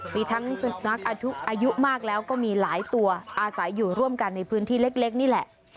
มีทั้งสุนัขอายุมากแล้วก็มีหลายตัวอาศัยอยู่ร่วมกันในพื้นที่เล็กนี่แหละ